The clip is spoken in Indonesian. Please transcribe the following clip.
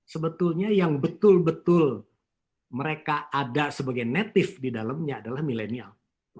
sebetulnya yang betul betul mereka ada sebagai native di dalamnya adalah milenial